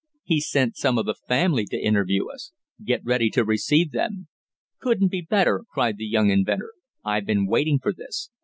He's sent some of the family to interview us. Get ready to receive them." "Couldn't be better!" cried the young inventor. "I've been waiting for this.